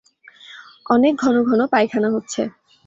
অনেক ঘন ঘন পায়খানা হচ্ছে।